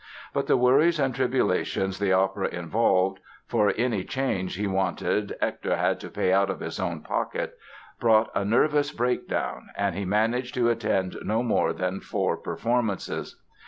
But the worries and tribulations the opera involved (for any change he wanted Hector had to pay out of his own pocket) brought a nervous breakdown and he managed to attend no more than four performances.